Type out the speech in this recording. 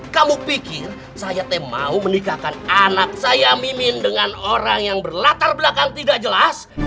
kamu pikir saya mau menikahkan anak saya mimin dengan orang yang berlatar belakang tidak jelas